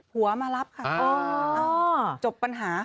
หัวมารับค่ะจบปัญหา